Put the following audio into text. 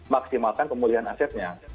maksimalkan pemulihan asetnya